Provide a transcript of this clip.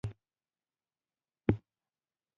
سر لیویس پیلي غوښتل دې پوښتنې ته مبهم ځواب ورکړي.